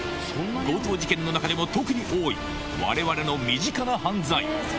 強盗事件の中でも特に多い、われわれの身近な犯罪。